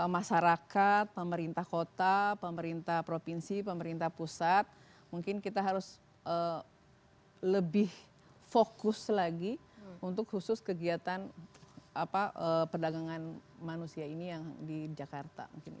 masyarakat pemerintah kota pemerintah provinsi pemerintah pusat mungkin kita harus lebih fokus lagi untuk khusus kegiatan perdagangan manusia ini yang di jakarta